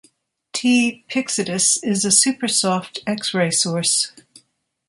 T Pyxidis is a super soft X-ray source.